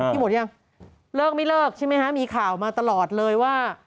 พี่หมดยังเลิกไม่เลิกใช่ไหมฮะมีข่าวมาตลอดเลยว่า